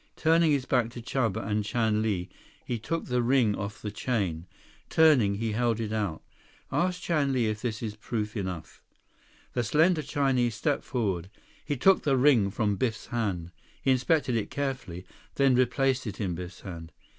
Turning his back to Chuba and Chan Li, he took the ring off the chain. Turning, he held it out. "Ask Chan Li if this is proof enough?" The slender Chinese stepped forward. He took the ring from Biff's hand. He inspected it carefully, then replaced it in Biff's hand.